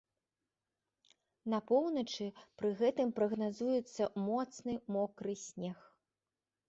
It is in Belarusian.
На поўначы пры гэтым прагназуецца моцны мокры снег.